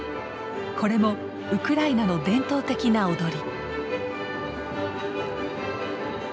これもウクライナの伝統的な踊り。